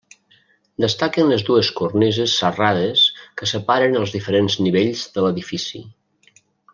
Destaquen les dues cornises serrades que separen els diferents nivells de l'edifici.